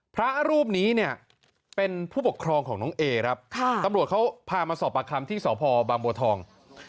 พระรูปนี้เนี่ยเป็นผู้ปกครองของน้องเอครับตำรวจเขาพามาสอบปากคำที่สพบางบัวทอง